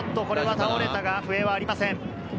これは倒れたが、笛はありません。